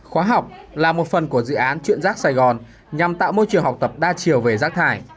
khóa học là một phần của dự án chuyện rác sài gòn nhằm tạo môi trường học tập đa chiều về rác thải